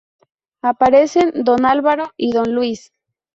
Aparecen Don Álvaro y Don Luis.